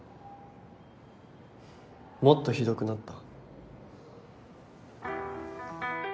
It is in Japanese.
もっとひどくなった。